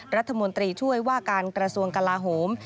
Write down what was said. รัฐมนตรีช่วยว่าการกระทรวงกลาโหม